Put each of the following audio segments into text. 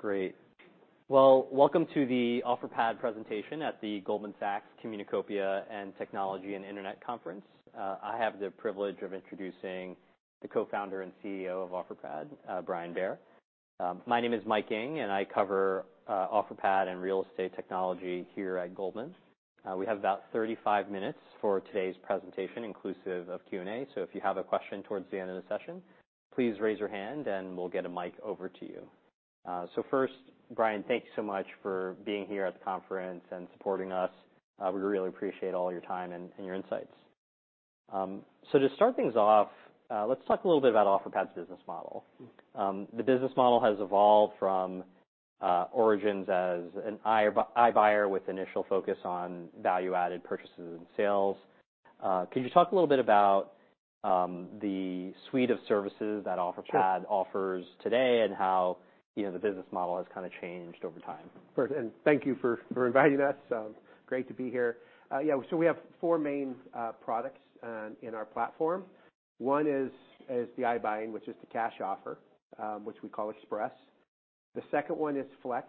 Great. Well, welcome to the Offerpad presentation at the Goldman Sachs Communacopia and Technology and Internet Conference. I have the privilege of introducing the Co-founder and CEO of Offerpad, Brian Bair. My name is Mike Ng, and I cover Offerpad and real estate technology here at Goldman. We have about 35 minutes for today's presentation, inclusive of Q&A. So if you have a question towards the end of the session, please raise your hand, and we'll get a mic over to you. So first, Brian, thank you so much for being here at the conference and supporting us. We really appreciate all your time and your insights. So to start things off, let's talk a little bit about Offerpad's business model. The business model has evolved from origins as an iBuyer with initial focus on value-added purchases and sales. Could you talk a little bit about the suite of services that Offerpad offers today, and how, you know, the business model has kind of changed over time? Great, and thank you for, for inviting us. Great to be here. Yeah, so we have four main products in our platform. One is the iBuying, which is the cash offer, which we call Express. The second one is Flex,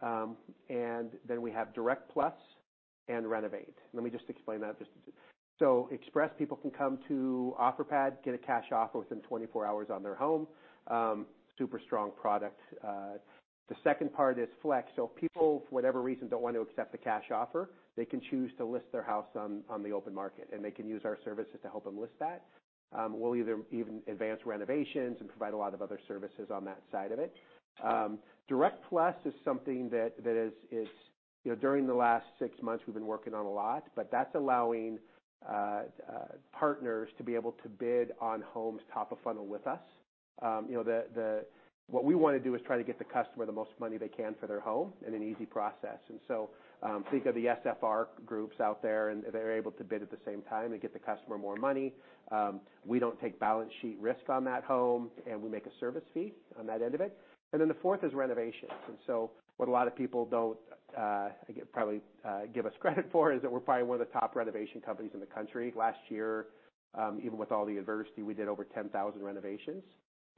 and then we have Direct+ and Renovate. Let me just explain that. Just... So Express, people can come to Offerpad, get a cash offer within 24 hours on their home. Super strong product. The second part is Flex. So if people, for whatever reason, don't want to accept the cash offer, they can choose to list their house on the open market, and they can use our services to help them list that. We'll either even advance renovations and provide a lot of other services on that side of it. Direct+ is something you know, during the last six months, we've been working on a lot, but that's allowing partners to be able to bid on homes top of funnel with us. You know, what we want to do is try to get the customer the most money they can for their home in an easy process. And so, think of the SFR groups out there, and they're able to bid at the same time and get the customer more money. We don't take balance sheet risk on that home, and we make a service fee on that end of it. And then the fourth is renovations. And so what a lot of people don't, I think probably, give us credit for is that we're probably one of the top renovation companies in the country. Last year, even with all the adversity, we did over 10,000 renovations.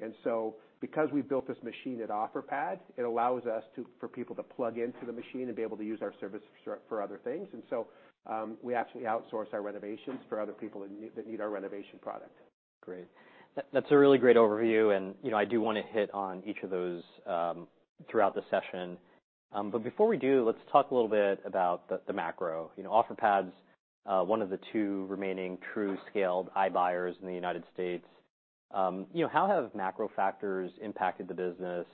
And so because we've built this machine at Offerpad, it allows us to- for people to plug into the machine and be able to use our service for other things. And so, we actually outsource our renovations for other people that need our renovation product. Great. That's a really great overview, and, you know, I do want to hit on each of those throughout the session. But before we do, let's talk a little bit about the macro. You know, Offerpad's one of the two remaining true scaled iBuyers in the United States. You know, how have macro factors impacted the business?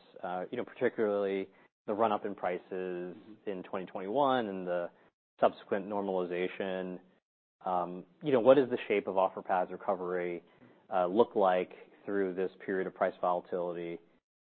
You know, particularly the run-up in prices in 2021 and the subsequent normalization. You know, what is the shape of Offerpad's recovery look like through this period of price volatility,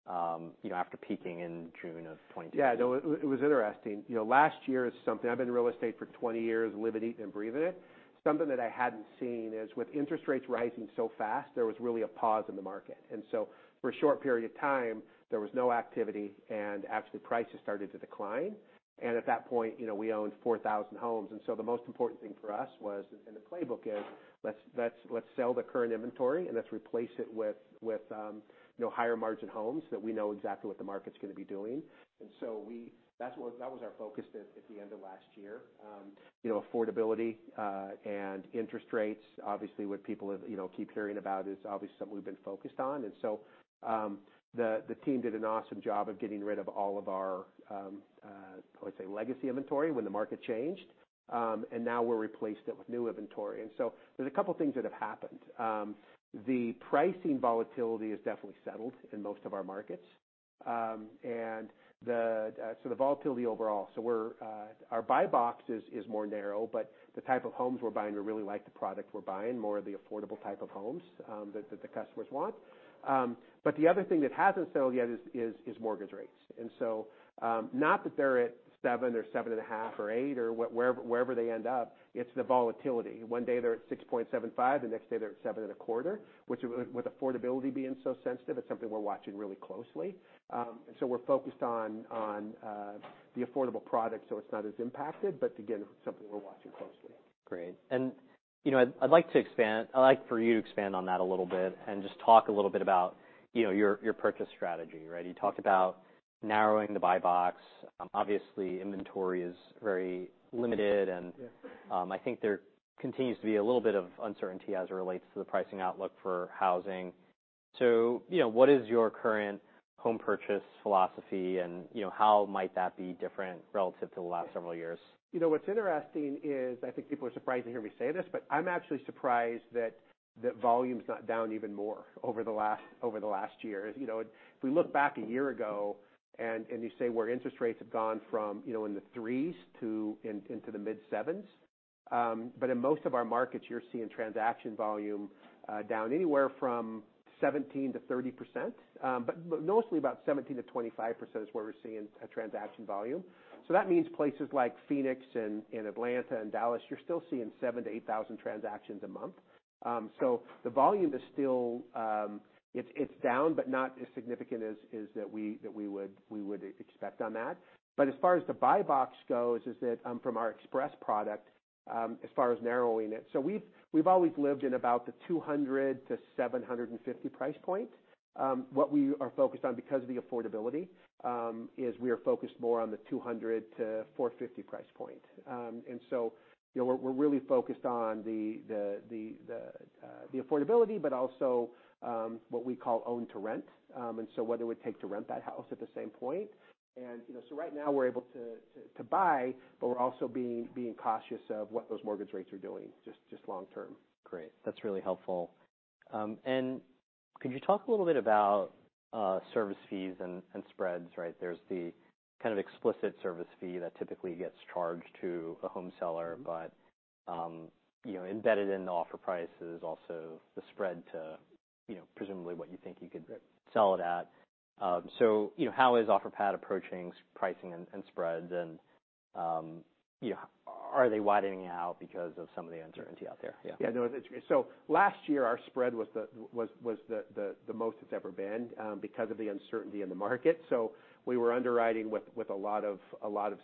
you know, after peaking in June of 2022? Yeah. No, it was interesting. You know, last year is something... I've been in real estate for 20 years, live it, eat it, and breathe in it. Something that I hadn't seen is with interest rates rising so fast, there was really a pause in the market. And so for a short period of time, there was no activity, and actually, prices started to decline. And at that point, you know, we owned 4,000 homes. And so the most important thing for us was, and the playbook is, let's sell the current inventory and let's replace it with, you know, higher margin homes that we know exactly what the market's going to be doing. And so that's what that was our focus at the end of last year. You know, affordability and interest rates, obviously, what people keep hearing about is obviously something we've been focused on. So, the team did an awesome job of getting rid of all of our, let's say, legacy inventory when the market changed. And now we're replaced it with new inventory. So there's a couple things that have happened. The pricing volatility has definitely settled in most of our markets, and the volatility overall. So we're, our buy box is more narrow, but the type of homes we're buying, we really like the product we're buying, more of the affordable type of homes that the customers want. But the other thing that hasn't settled yet is mortgage rates. So, not that they're at 7 or 7.5 or 8, or wherever, wherever they end up, it's the volatility. One day they're at 6.75, the next day they're at 7.25, which, with affordability being so sensitive, it's something we're watching really closely. And so we're focused on the affordable product, so it's not as impacted, but again, something we're watching closely. Great. You know, I'd like for you to expand on that a little bit and just talk a little bit about, you know, your purchase strategy, right? You talked about narrowing the buy box. Obviously, inventory is very limited, and- Yeah... I think there continues to be a little bit of uncertainty as it relates to the pricing outlook for housing. So, you know, what is your current home purchase philosophy, and, you know, how might that be different relative to the last several years? You know, what's interesting is, I think people are surprised to hear me say this, but I'm actually surprised that volume's not down even more over the last year. You know, if we look back a year ago and you say, where interest rates have gone from, you know, in the 3s to the mid-7s, but in most of our markets, you're seeing transaction volume down anywhere from 17%-30%. But mostly about 17%-25% is where we're seeing transaction volume. So that means places like Phoenix and Atlanta and Dallas, you're still seeing 7,000-8,000 transactions a month. So the volume is still... It's down, but not as significant as we would expect on that. But as far as the buy box goes, is that from our Express product, as far as narrowing it, so we've always lived in about the $200,000-$750,000 price point. What we are focused on, because of the affordability, is we are focused more on the $200,000-$450,000 price point. And so, you know, we're really focused on the affordability, but also what we call own to rent. And so what it would take to rent that house at the same point. And, you know, so right now we're able to buy, but we're also being cautious of what those mortgage rates are doing, just long term. Great. That's really helpful. And could you talk a little bit about service fees and spreads, right? There's the kind of explicit service fee that typically gets charged to a home seller. But, you know, embedded in the offer price is also the spread to, you know, presumably what you think you could sell it at. So, you know, how is Offerpad approaching pricing and spreads? And, you know, are they widening out because of some of the uncertainty out there? Yeah. Yeah, no, so last year, our spread was the most it's ever been because of the uncertainty in the market. So we were underwriting with a lot of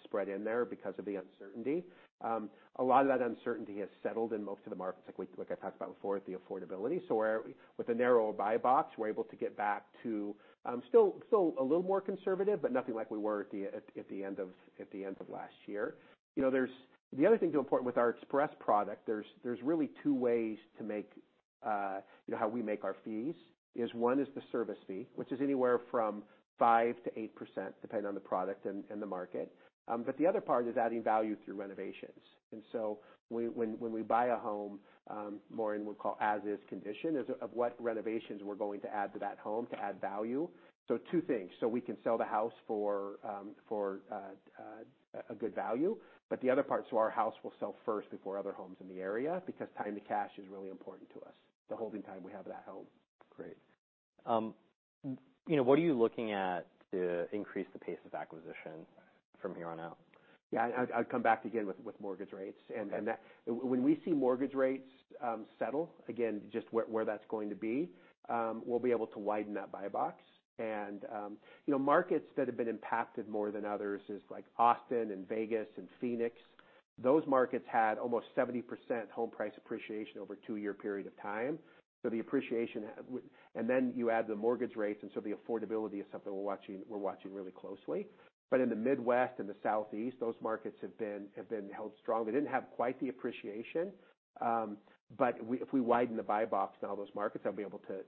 spread in there because of the uncertainty. A lot of that uncertainty has settled in most of the markets, like I talked about before, with the affordability. So we're with the narrower buy box, we're able to get back to still a little more conservative, but nothing like we were at the end of last year. You know, there's... The other thing, too, important with our Express product, there's really two ways to make, you know, how we make our fees is, one is the service fee, which is anywhere from 5%-8%, depending on the product and the market. But the other part is adding value through renovations. And so when we buy a home, we mean we'll call as-is condition is of what renovations we're going to add to that home to add value. So two things. So we can sell the house for a good value, but the other part, so our house will sell first before other homes in the area, because time to cash is really important to us, the holding time we have of that home. Great. You know, what are you looking at to increase the pace of acquisition from here on out? Yeah, I'd come back again with mortgage rates. Okay. When we see mortgage rates settle, again, just where that's going to be, we'll be able to widen that buy box. And, you know, markets that have been impacted more than others is, like, Austin and Vegas and Phoenix. Those markets had almost 70% home price appreciation over a two-year period of time. So the appreciation... And then you add the mortgage rates, and so the affordability is something we're watching really closely. But in the Midwest and the Southeast, those markets have been held strong. They didn't have quite the appreciation, but if we widen the buy box in all those markets, I'll be able to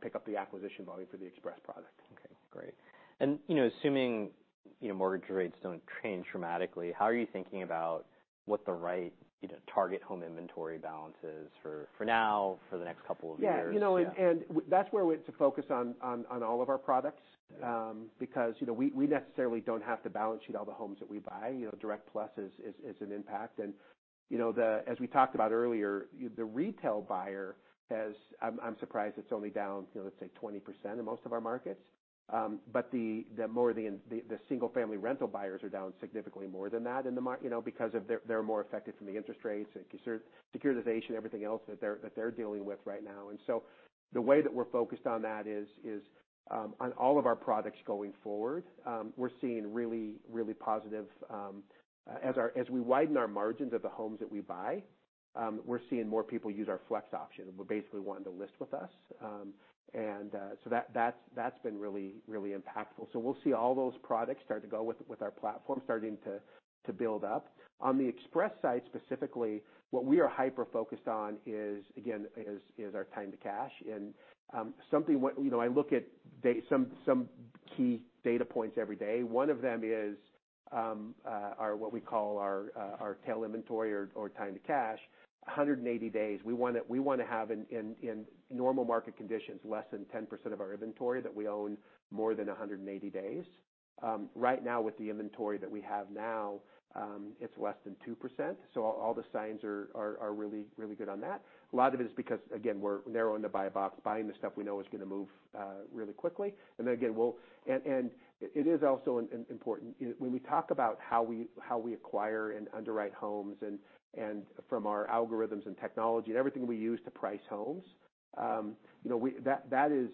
pick up the acquisition volume for the Express product. Okay, great. You know, assuming, you know, mortgage rates don't change dramatically, how are you thinking about what the right, you know, target home inventory balance is for, for now, for the next couple of years? Yeah, you know, and that's where we to focus on all of our products. Because, you know, we necessarily don't have to balance sheet all the homes that we buy. You know, Direct+ is an impact. And, you know, the, as we talked about earlier, the retail buyer has... I'm surprised it's only down, you know, let's say, 20% in most of our markets. But the single-family rental buyers are down significantly more than that in the mar, you know, because of they're more affected from the interest rates, and securitization, everything else that they're dealing with right now. And so the way that we're focused on that is on all of our products going forward, we're seeing really, really positive. As we widen our margins of the homes that we buy, we're seeing more people use our Flex option, and we're basically wanting to list with us. And so that's been really, really impactful. So we'll see all those products start to go with our platform starting to build up. On the Express side, specifically, what we are hyper-focused on is, again, our time to cash. And something you know, I look at some key data points every day. One of them is what we call our tail inventory or time to cash. 180 days. We want to have in normal market conditions, less than 10% of our inventory that we own more than 180 days. Right now, with the inventory that we have now, it's less than 2%, so all the signs are really, really good on that. A lot of it is because, again, we're narrowing the buy box, buying the stuff we know is going to move really quickly. And it is also important. When we talk about how we acquire and underwrite homes and from our algorithms and technology and everything we use to price homes, you know, that is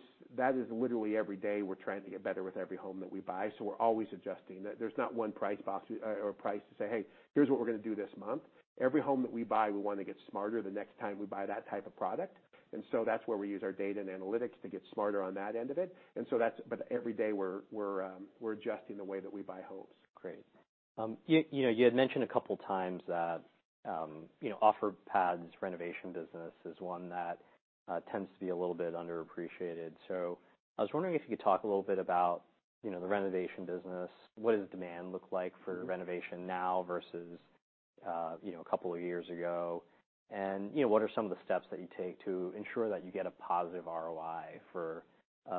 literally every day we're trying to get better with every home that we buy. So we're always adjusting. There's not one buy box or price to say, "Hey, here's what we're going to do this month." Every home that we buy, we want to get smarter the next time we buy that type of product. And so that's where we use our data and analytics to get smarter on that end of it. But every day, we're adjusting the way that we buy homes. Great. You know, you had mentioned a couple of times that, you know, Offerpad's renovation business is one that tends to be a little bit underappreciated. So I was wondering if you could talk a little bit about, you know, the renovation business. What does demand look like for renovation now versus, you know, a couple of years ago? And, you know, what are some of the steps that you take to ensure that you get a positive ROI for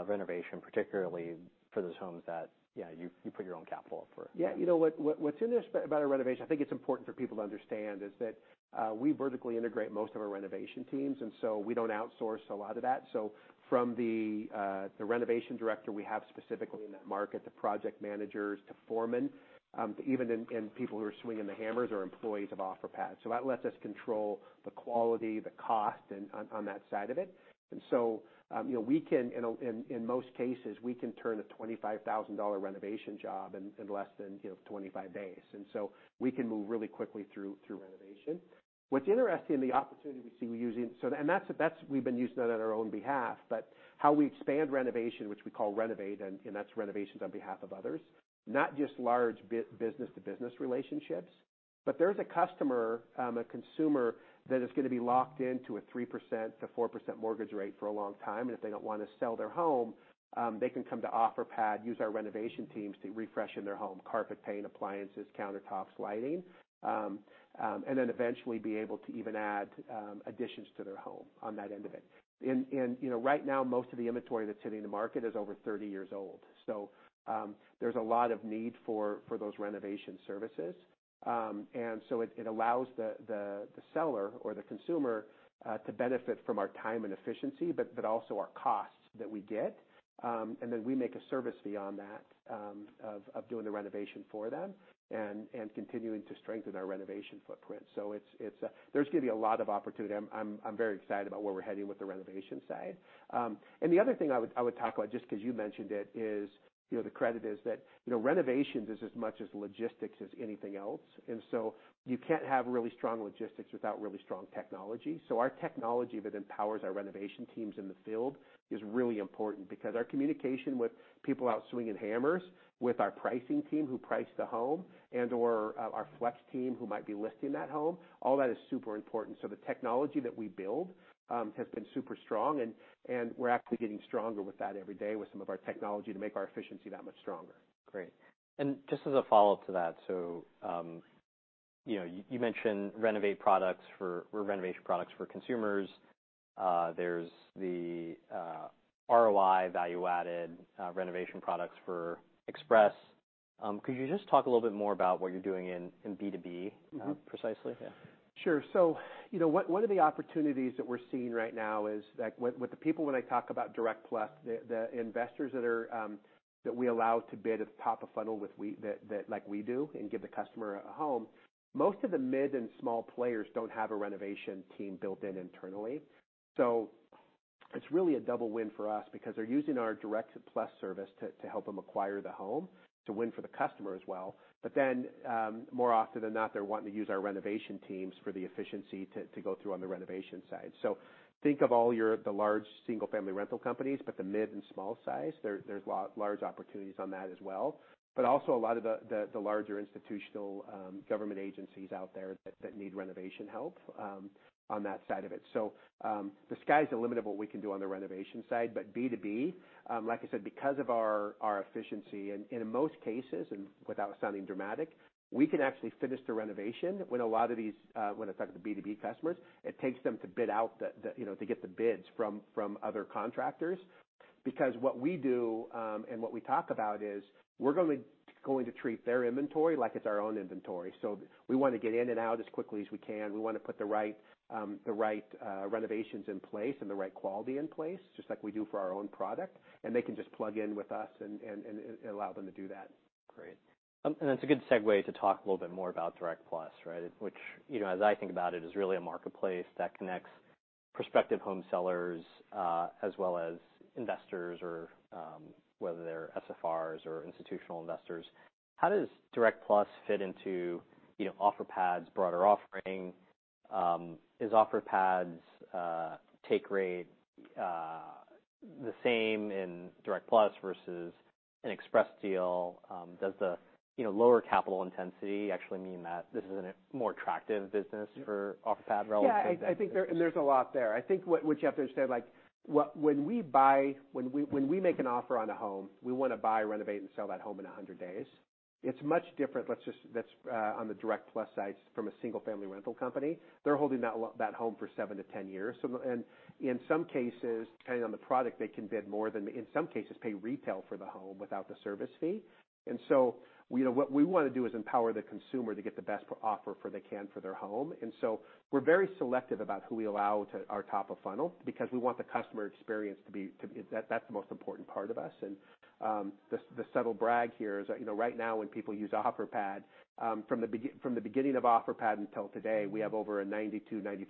renovation, particularly for those homes that, yeah, you put your own capital up for it? Yeah, you know what, what's interesting about our renovation, I think it's important for people to understand, is that, we vertically integrate most of our renovation teams, and so we don't outsource a lot of that. So from the, the renovation director we have specifically in that market, the project managers to foremen, even and people who are swinging the hammers are employees of Offerpad. So that lets us control the quality, the cost, and, on that side of it. And so, you know, we can, in most cases, we can turn a $25,000 renovation job in less than, you know, 25 days. And so we can move really quickly through renovation. What's interesting, the opportunity we see we using— So... And that's we've been using that on our own behalf, but how we expand renovation, which we call Renovate, and that's renovations on behalf of others, not just large business-to-business relationships. But there's a customer, a consumer that is going to be locked into a 3%-4% mortgage rate for a long time. And if they don't want to sell their home, they can come to Offerpad, use our renovation teams to refresh their home, carpet, paint, appliances, countertops, lighting, and then eventually be able to even add additions to their home on that end of it. And, you know, right now, most of the inventory that's hitting the market is over 30 years old. So, there's a lot of need for those renovation services. So it allows the seller or the consumer to benefit from our time and efficiency, but also our costs that we get. And then we make a service fee on that, of doing the renovation for them and continuing to strengthen our renovation footprint. So it's. There's going to be a lot of opportunity. I'm very excited about where we're heading with the renovation side. And the other thing I would talk about, just because you mentioned it, is, you know, the credit is that, you know, renovations is as much as logistics as anything else. And so you can't have really strong logistics without really strong technology. So our technology that empowers our renovation teams in the field is really important. Because our communication with people out swinging hammers, with our pricing team, who price the home, and/or our Flex team, who might be listing that home, all that is super important. So the technology that we build has been super strong, and we're actually getting stronger with that every day with some of our technology to make our efficiency that much stronger. Great. Just as a follow-up to that, so, you know, you mentioned renovate products for-- or renovation products for consumers. There's the ROI value-added renovation products for Express. Could you just talk a little bit more about what you're doing in B2B precisely? Yeah. Sure. So, you know, one of the opportunities that we're seeing right now is, like, with the people, when I talk about Direct+, the investors that we allow to bid at the top of funnel with that, like we do, and give the customer a home. Most of the mid and small players don't have a renovation team built in internally. So it's really a double win for us because they're using our Direct+ service to help them acquire the home, to win for the customer as well. But then, more often than not, they're wanting to use our renovation teams for the efficiency to go through on the renovation side. So think of all the large single-family rental companies, but the mid and small size. There, there's large opportunities on that as well, but also a lot of the larger institutional government agencies out there that need renovation help on that side of it. So, the sky's the limit of what we can do on the renovation side. But B2B, like I said, because of our efficiency, and in most cases, and without sounding dramatic, we can actually finish the renovation when a lot of these, when I talk to the B2B customers, it takes them to bid out the, you know, to get the bids from other contractors. Because what we do, and what we talk about is, we're going to treat their inventory like it's our own inventory. So we want to get in and out as quickly as we can. We want to put the right renovations in place and the right quality in place, just like we do for our own product, and they can just plug in with us and allow them to do that. Great. And that's a good segue to talk a little bit more about Direct+, right? Which, you know, as I think about it, is really a marketplace that connects prospective home sellers, as well as investors or, whether they're SFRs or institutional investors. How does Direct+ fit into, you know, Offerpad's broader offering? Is Offerpad's, take rate, the same in Direct+ versus an Express deal? Does the, you know, lower capital intensity actually mean that this is an more attractive business for Offerpad relative to- Yeah, I think there, and there's a lot there. I think what you have to understand, like, when we make an offer on a home, we want to buy, renovate, and sell that home in 100 days. It's much different. That's on the Direct+ side, from a single-family rental company. They're holding that home for seven to 10 years. So, in some cases, depending on the product, they can bid more than, in some cases, pay retail for the home without the service fee. And so we know what we want to do is empower the consumer to get the best offer they can for their home. And so we're very selective about who we allow to our top of funnel, because we want the customer experience to be, to be... That, that's the most important part of us. And, the subtle brag here is that, you know, right now, when people use Offerpad, from the beginning of Offerpad until today, we have over 92%-93%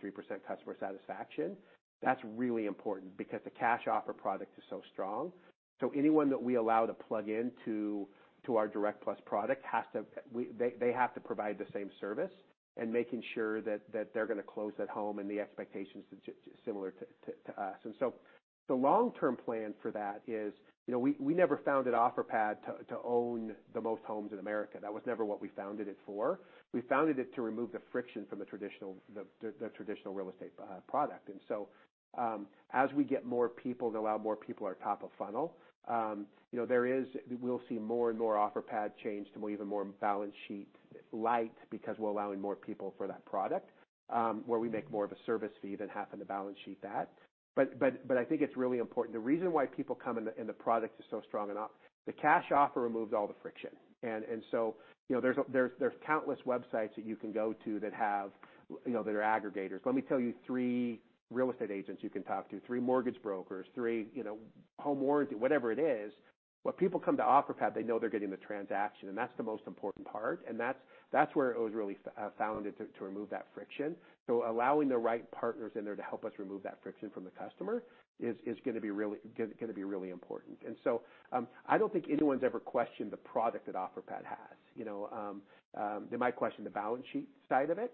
customer satisfaction. That's really important because the cash offer product is so strong. So anyone that we allow to plug into our Direct+ product has to, they, they have to provide the same service and making sure that they're going to close that home, and the expectations are similar to us. And so the long-term plan for that is, you know, we never founded Offerpad to own the most homes in America. That was never what we founded it for. We founded it to remove the friction from the traditional real estate product. So, as we get more people to allow more people at top of funnel, you know, there is—we'll see more and more Offerpad change to even more balance sheet light, because we're allowing more people for that product, where we make more of a service fee than having to balance sheet that. But I think it's really important. The reason why people come and the product is so strong enough, the cash offer removes all the friction. And so, you know, there's countless websites that you can go to that have, you know, that are aggregators. Let me tell you three real estate agents you can talk to, three mortgage brokers, three, you know, home warranty, whatever it is. When people come to Offerpad, they know they're getting the transaction, and that's the most important part, and that's where it was really founded to remove that friction. So allowing the right partners in there to help us remove that friction from the customer is gonna be really important. And so, I don't think anyone's ever questioned the product that Offerpad has, you know? They might question the balance sheet side of it.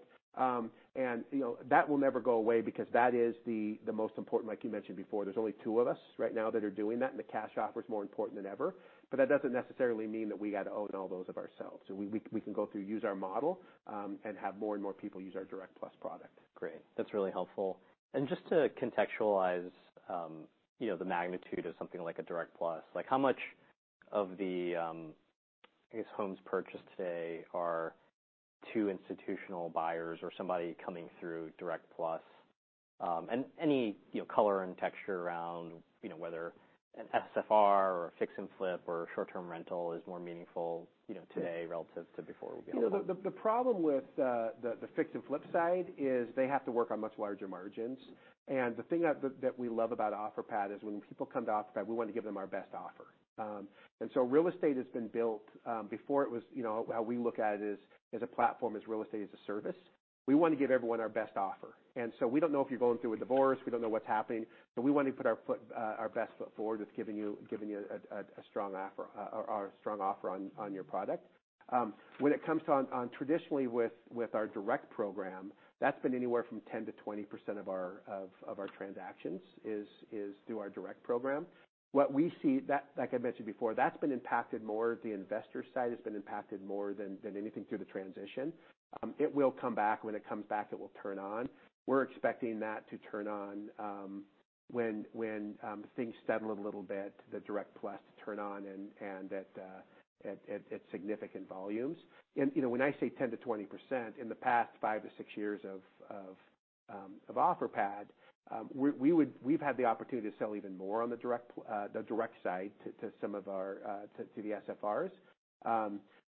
And, you know, that will never go away because that is the most important. Like you mentioned before, there's only two of us right now that are doing that, and the cash offer is more important than ever. But that doesn't necessarily mean that we got to own all those of ourselves. So we can go through, use our model, and have more and more people use our Direct+ product. Great. That's really helpful. And just to contextualize, you know, the magnitude of something like a Direct+, like how much of the, I guess, homes purchased today are to institutional buyers or somebody coming through Direct+? And any, you know, color and texture around, you know, whether an SFR or fix and flip or short-term rental is more meaningful, you know, today relative to before would be helpful. You know, the problem with the fix and flip side is they have to work on much larger margins. And the thing that we love about Offerpad is when people come to Offerpad, we want to give them our best offer. And so real estate has been built before it was, you know, how we look at it is, as a platform, as real estate, as a service. We want to give everyone our best offer. And so we don't know if you're going through a divorce, we don't know what's happening, but we want to put our best foot forward with giving you a strong offer or a strong offer on your product. When it comes to traditionally with our Direct program, that's been anywhere from 10%-20% of our transactions through our Direct program. What we see, like I mentioned before, that's been impacted more, the investor side has been impacted more than anything through the transition. It will come back. When it comes back, it will turn on. We're expecting that to turn on when things settle a little bit, the Direct+ to turn on and at significant volumes. You know, when I say 10%-20%, in the past five to six years of Offerpad, we've had the opportunity to sell even more on the direct side to some of our to the SFRs.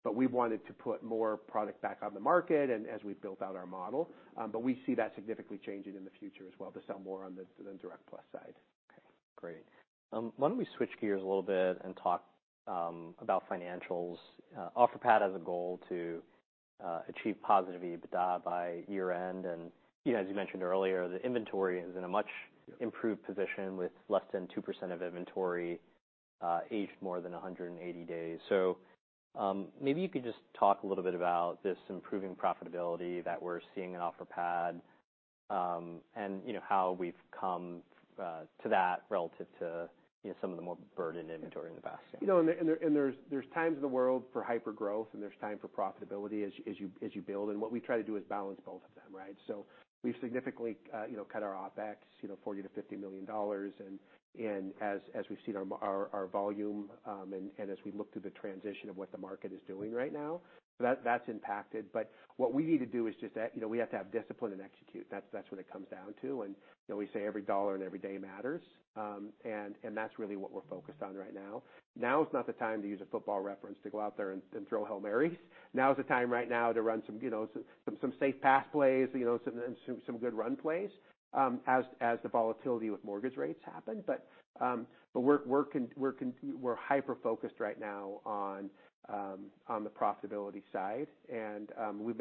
But we wanted to put more product back on the market and as we've built out our model. But we see that significantly changing in the future as well, to sell more on the Direct+ side. Okay, great. Why don't we switch gears a little bit and talk about financials? Offerpad has a goal to achieve positive EBITDA by year-end. And, you know, as you mentioned earlier, the inventory is in a much improved position, with less than 2% of inventory aged more than 180 days. So, maybe you could just talk a little bit about this improving profitability that we're seeing at Offerpad, and you know, how we've come to that relative to, you know, some of the more burdened inventory in the past. You know, there's times in the world for hypergrowth, and there's time for profitability as you build. And what we try to do is balance both of them, right? So we've significantly, you know, cut our OpEx, you know, $40 million-$50 million. And as we've seen our—our volume, and as we look through the transition of what the market is doing right now, so that's impacted. But what we need to do is just, you know, we have to have discipline and execute. That's what it comes down to. And, you know, we say every dollar and every day matters, and that's really what we're focused on right now. Now is not the time, to use a football reference, to go out there and throw Hail Marys. Now is the time right now to run some, you know, some safe pass plays, you know, some good run plays, as the volatility with mortgage rates happen. But we're hyper-focused right now on the profitability side, and we'll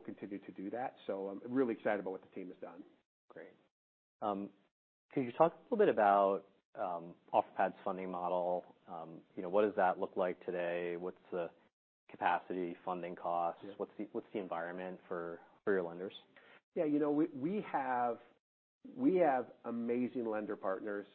continue to do that. So I'm really excited about what the team has done. Great. Can you talk a little bit about Offerpad's funding model? You know, what does that look like today? What's the capacity funding costs? Yeah. What's the environment for your lenders? Yeah, you know, we have amazing lender partners,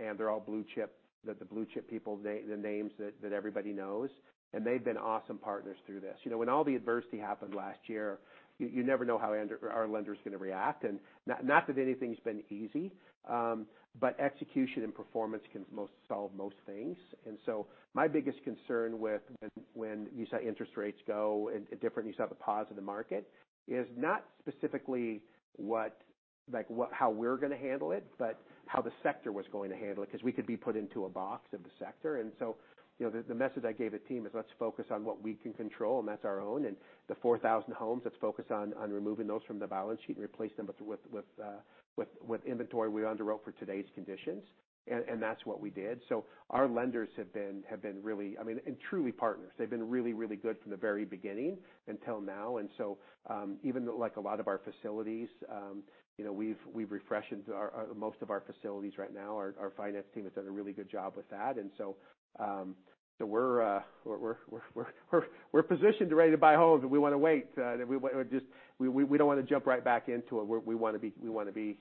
and they're all blue chip, the blue chip people, the names that everybody knows, and they've been awesome partners through this. You know, when all the adversity happened last year, you never know how our lenders are going to react, and not that anything's been easy, but execution and performance can solve most things. So my biggest concern when you saw interest rates go in different, you saw the pause in the market, is not specifically what—how we're going to handle it, but how the sector was going to handle it, because we could be put into a box of the sector And so, you know, the message I gave the team is: Let's focus on what we can control, and that's our own. And the 4,000 homes, let's focus on removing those from the balance sheet and replace them with inventory we underwrote for today's conditions. And that's what we did. So our lenders have been really... I mean, and truly partners. They've been really, really good from the very beginning until now. And so, even like a lot of our facilities, you know, we've refreshed our most of our facilities right now. Our finance team has done a really good job with that. And so, we're positioned and ready to buy homes, but we want to wait. We just don't want to jump right back into it. We want to be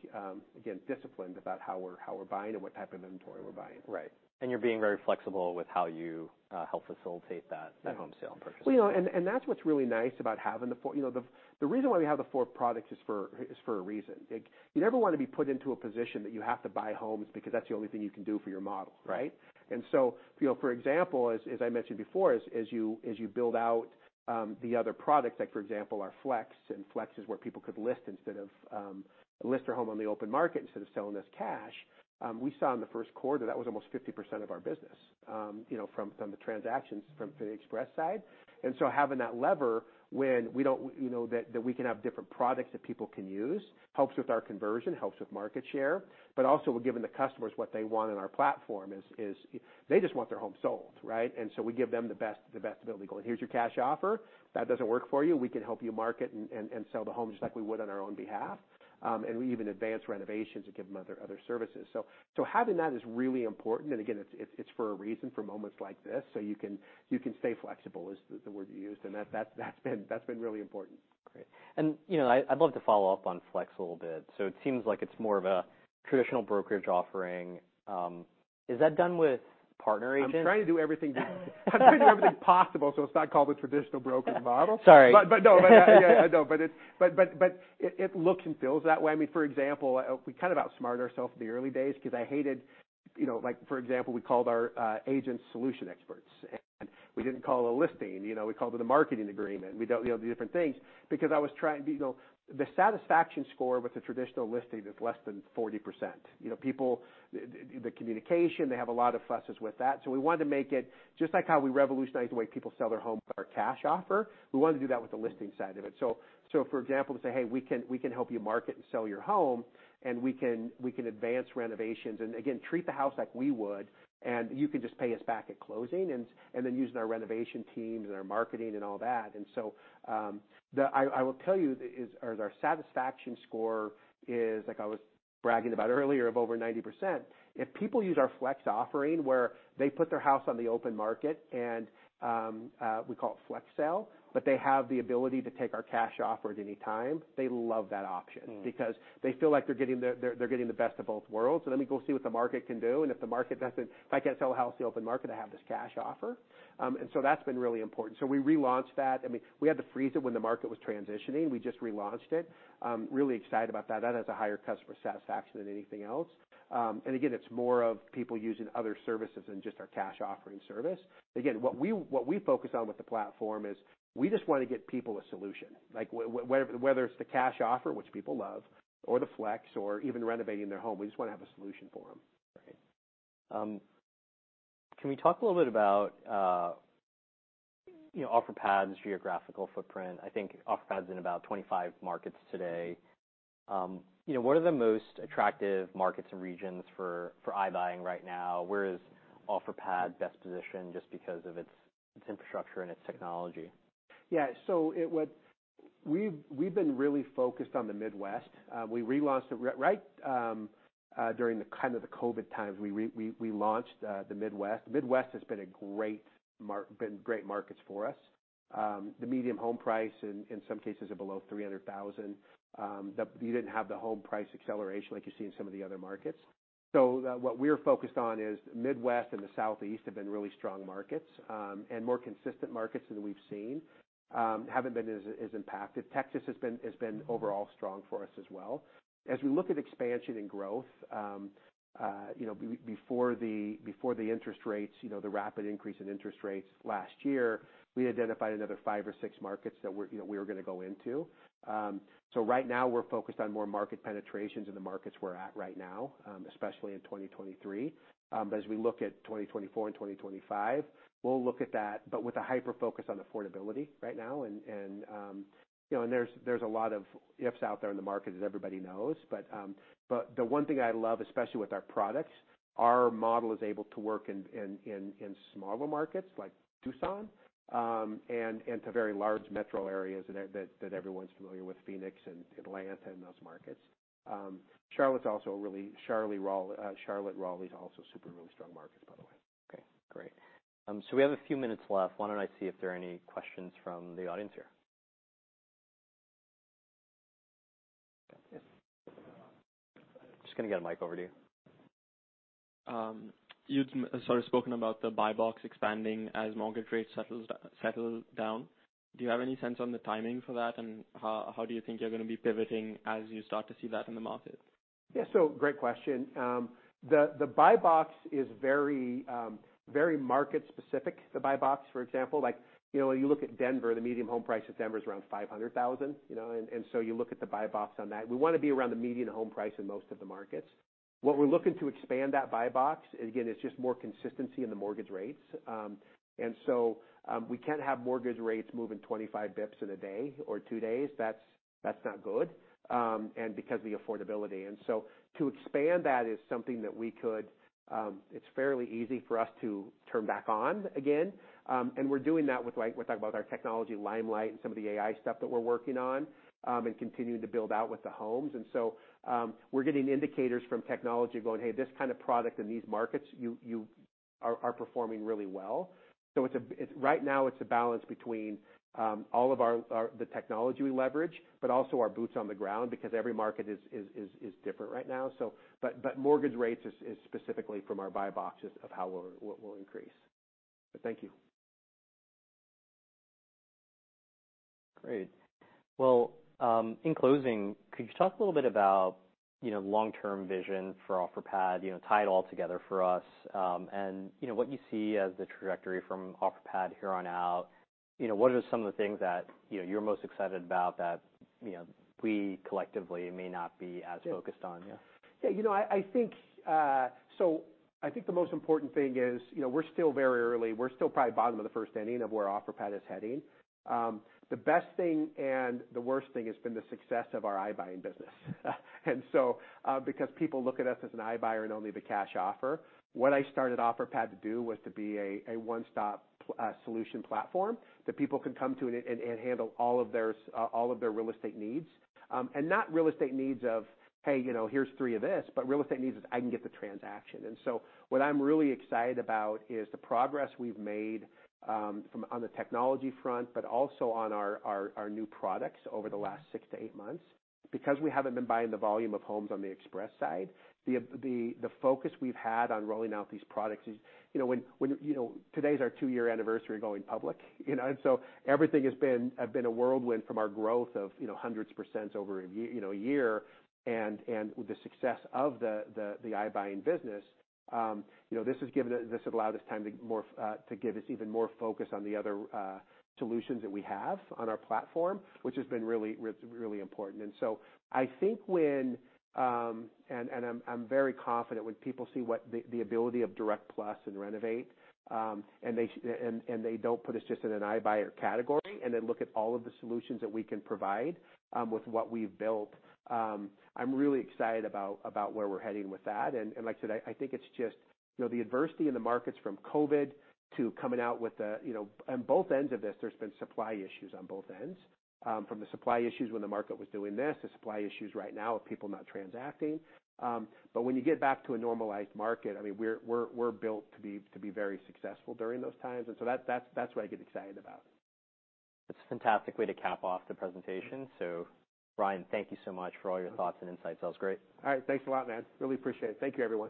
again disciplined about how we're buying and what type of inventory we're buying. Right. And you're being very flexible with how you help facilitate that- Yeah ...that home sale purchase. Well, you know, that's what's really nice about having the four. You know, the reason why we have the four products is for a reason. Like, you never want to be put into a position that you have to buy homes because that's the only thing you can do for your model, right? And so, you know, for example, as I mentioned before, as you build out the other products, like, for example, our Flex, and Flex is where people could list instead of list their home on the open market instead of selling us cash. We saw in the first quarter, that was almost 50% of our business, you know, from the transactions from the Express side. And so having that lever when we don't, you know, that we can have different products that people can use helps with our conversion, helps with market share, but also we're giving the customers what they want on our platform, they just want their home sold, right? And so we give them the best ability to go, and here's your cash offer. If that doesn't work for you, we can help you market and sell the home, just like we would on our own behalf. And we even advance renovations and give them other services. So having that is really important, and again, it's for a reason, for moments like this. So you can stay flexible, is the word you used, and that's been really important. Great. You know, I'd love to follow up on Flex a little bit. So it seems like it's more of a traditional brokerage offering. Is that done with partner agents? I'm trying to do everything possible, so it's not called the traditional brokerage model. Sorry. But it looks and feels that way. I mean, for example, we kind of outsmarted ourselves in the early days because I hated, you know, like, for example, we called our agents Solution Experts, and we didn't call it a listing, you know, we called it a marketing agreement. We don't, you know, do different things because I was trying, you know. The satisfaction score with the traditional listing is less than 40%. You know, people, the communication, they have a lot of fusses with that, so we wanted to make it just like how we revolutionized the way people sell their homes with our cash offer. We wanted to do that with the listing side of it. So, for example, to say: "Hey, we can help you market and sell your home, and we can advance renovations and again, treat the house like we would, and you can just pay us back at closing. And then using our renovation teams and our marketing and all that. So, I will tell you, our satisfaction score is, like I was bragging about earlier, over 90%. If people use our Flex offering, where they put their house on the open market and we call it Flex Sale, but they have the ability to take our cash offer at any time, they love that option. Mm. Because they feel like they're getting the best of both worlds. So let me go see what the market can do, and if the market doesn't, if I can't sell a house in the open market, I have this cash offer. And so that's been really important. So we relaunched that. I mean, we had to freeze it when the market was transitioning. We just relaunched it. Really excited about that. That has a higher customer satisfaction than anything else. And again, it's more of people using other services than just our cash offering service. Again, what we focus on with the platform is we just wanna get people a solution. Like, whether it's the cash offer, which people love, or the flex, or even renovating their home, we just wanna have a solution for them. Right. Can we talk a little bit about, you know, Offerpad's geographical footprint? I think Offerpad's in about 25 markets today. You know, what are the most attractive markets and regions for iBuying right now? Where is Offerpad best positioned just because of its infrastructure and its technology? Yeah. So we've been really focused on the Midwest. We relaunched it right during the kind of the COVID times. We launched the Midwest. The Midwest has been great markets for us. The median home price in some cases are below $300,000. You didn't have the home price acceleration like you see in some of the other markets. So what we're focused on is the Midwest and the Southeast have been really strong markets, and more consistent markets than we've seen. Haven't been as impacted. Texas has been overall strong for us as well. As we look at expansion and growth, you know, before the interest rates, you know, the rapid increase in interest rates last year, we identified another five or six markets that we're, you know, we were gonna go into. So right now, we're focused on more market penetrations in the markets we're at right now, especially in 2023. But as we look at 2024 and 2025, we'll look at that, but with a hyper-focus on affordability right now. And, you know, and there's a lot of ifs out there in the market, as everybody knows. The one thing I love, especially with our products, our model is able to work in smaller markets like Tucson, and to very large metro areas that everyone's familiar with, Phoenix and Atlanta and those markets. Charlotte, Raleigh, is also super really strong markets, by the way. Okay, great. So we have a few minutes left. Why don't I see if there are any questions from the audience here? Yes. Just gonna get a mic over to you. You'd sort of spoken about the buy box expanding as mortgage rates settle down. Do you have any sense on the timing for that? And how do you think you're gonna be pivoting as you start to see that in the market? Yeah. So great question. The buy box is very, very market specific. The buy box, for example, like, you know, when you look at Denver, the median home price in Denver is around $500,000, you know, and so you look at the buy box on that. We wanna be around the median home price in most of the markets. What we're looking to expand that buy box, again, it's just more consistency in the mortgage rates. And so, we can't have mortgage rates moving 25 bps in a day or two days. That's not good, and because the affordability. And so to expand that is something that we could... It's fairly easy for us to turn back on again. and we're doing that with, like, we're talking about our technology, Limelight, and some of the AI stuff that we're working on, and continuing to build out with the homes. And so, we're getting indicators from technology going, "Hey, this kind of product in these markets, you are performing really well." So it's a b- right now, it's a balance between all of our, our, the technology we leverage, but also our boots on the ground, because every market is different right now. So but, but mortgage rates is specifically from our buy boxes of how we're, we'll increase. But thank you. Great. Well, in closing, could you talk a little bit about, you know, long-term vision for Offerpad? You know, tie it all together for us. And you know, what you see as the trajectory from Offerpad here on out. You know, what are some of the things that, you know, you're most excited about that, you know, we collectively may not be as focused on, yeah? Yeah, you know, I think. So I think the most important thing is, you know, we're still very early. We're still probably bottom of the first inning of where Offerpad is heading. The best thing and the worst thing has been the success of our iBuying business. And so, because people look at us as an iBuyer and only the cash offer, what I started Offerpad to do was to be a one-stop solution platform that people can come to and handle all of their real estate needs. And not real estate needs of, "Hey, you know, here's three of this," but real estate needs is, "I can get the transaction." And so what I'm really excited about is the progress we've made from on the technology front, but also on our new products over the last six to eight months. Because we haven't been buying the volume of homes on the express side, the focus we've had on rolling out these products is... You know, when you know, today's our two-year anniversary going public, you know? And so everything has been a whirlwind from our growth of, you know, hundreds of percent over a year. And with the success of the iBuying business, you know, this has given us, this has allowed us time to more, to give us even more focus on the other solutions that we have on our platform, which has been really, really important. And so I think when, and I'm very confident when people see what the ability of Direct+ and Renovate, and they don't put us just in an iBuyer category, and then look at all of the solutions that we can provide, with what we've built, I'm really excited about where we're heading with that. And like I said, I think it's just, you know, the adversity in the markets from COVID to coming out with the, you know... On both ends of this, there's been supply issues on both ends. From the supply issues when the market was doing this, to supply issues right now of people not transacting. But when you get back to a normalized market, I mean, we're built to be very successful during those times. And so that's what I get excited about. That's a fantastic way to cap off the presentation. So Brian, thank you so much for all your thoughts and insights. That was great. All right. Thanks a lot, man. Really appreciate it. Thank you, everyone.